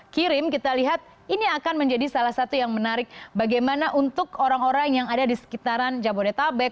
kirim kita lihat ini akan menjadi salah satu yang menarik bagaimana untuk orang orang yang ada di sekitaran jabodetabek